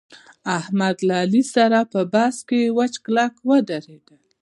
احمد له علي سره په بحث کې وچ کلک ودرېدل